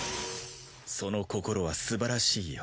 その心はすばらしいよ。